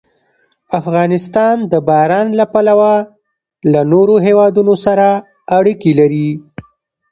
افغانستان د باران له پلوه له نورو هېوادونو سره اړیکې لري.